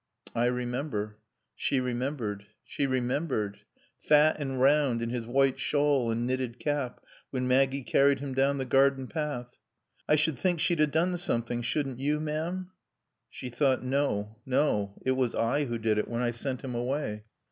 "I remember." She remembered. She remembered. Fat and round in his white shawl and knitted cap when Maggie carried him down the garden path. "I should think she'd a done something, shouldn't you, ma'am?" She thought: No. No. It was I who did it when I sent him away.